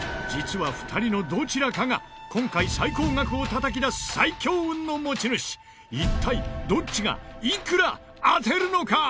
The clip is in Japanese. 実は、２人のどちらかが今回最高額をたたき出す最強運の持ち主一体、どっちがいくら当てるのか！？